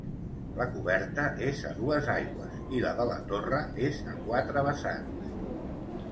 La coberta és a dues aigües i la de la torre és a quatre vessants.